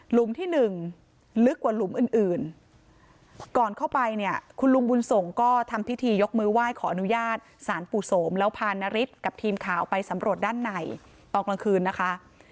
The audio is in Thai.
ที่หนึ่งลึกกว่าหลุมอื่นก่อนเข้าไปเนี่ยคุณลุงบุญส่งก็ทำพิธียกมือไหว้ขออนุญาตสารปู่โสมแล้วพานฤทธิ์กับทีมข่าวไปสำรวจด้านในตอนกลางคืนนะคะ